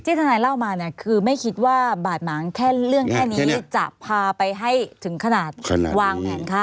ทนายเล่ามาเนี่ยคือไม่คิดว่าบาดหมางแค่เรื่องแค่นี้จะพาไปให้ถึงขนาดวางแผนฆ่า